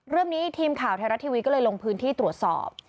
เรื่องนี้ทีมข่าวเทราทีวีก็เลยลงพื้นที่ตรวจสอบ